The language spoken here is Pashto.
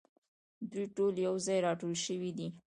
دوی ټول یو ځای راټول شوي دي.